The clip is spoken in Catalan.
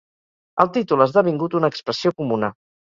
El títol ha esdevingut una expressió comuna.